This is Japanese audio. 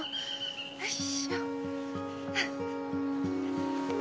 よいしょ。